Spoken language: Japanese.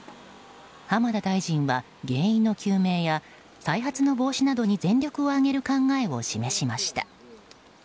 浜田大臣は原因の究明や再発の防止などに全力を挙げる考えを示しました。